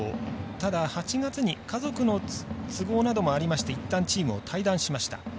ただ、８月に家族の都合などもありましていったんチームを退団しました。